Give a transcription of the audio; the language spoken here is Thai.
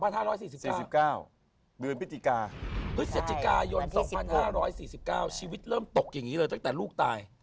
ถึงว่า๒๕๔๙ชีวิตเริ่มตกอย่างนี้เลยตั้งแต่ลูกตาย